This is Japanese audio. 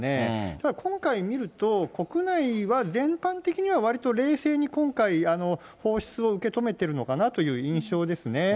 ただ、今回見ると、国内は全般的にはわりと冷静に今回放出を受け止めてるのかなという印象ですね。